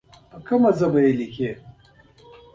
په کومه ژبه یې لیکې.